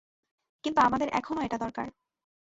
কিন্তু আমাদের এখনো এটা দরকার।